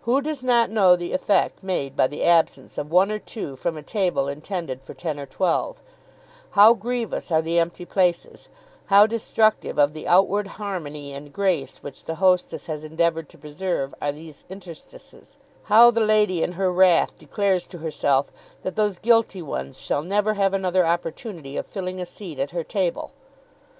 Who does not know the effect made by the absence of one or two from a table intended for ten or twelve, how grievous are the empty places, how destructive of the outward harmony and grace which the hostess has endeavoured to preserve are these interstices, how the lady in her wrath declares to herself that those guilty ones shall never have another opportunity of filling a seat at her table?